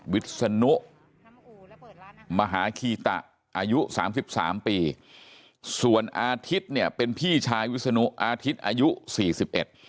วิศนุมหาคีตะอายุสามสิบสามปีส่วนอาทิตย์เนี่ยเป็นพี่ชายวิศนุอาทิตย์อายุสี่สิบเอ็ด